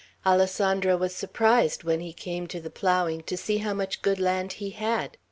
Alessandro was surprised, when he came to the ploughing, to see how much good land he had.